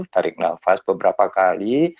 tarik nafas beberapa kali